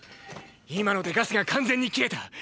今のでガスが完全に切れた。